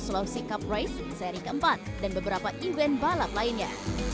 sulawesi cup race seri keempat dan beberapa event balap lainnya